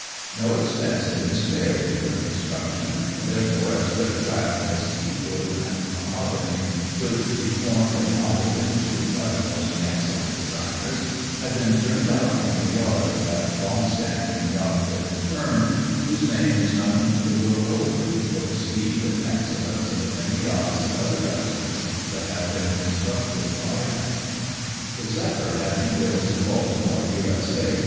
No expense had been spared in her construction, therefore as good a craft as teak wood and mahogany could be formed and modelled into by the most ex cellent designers, had been turned out from the yard of that long standing yacht building firm, whose name is known the world overj for the speed and excel lence of the many yachts and other vessels that have been constructed by them. The Zephyr had been built in Baltimore, U.S.A.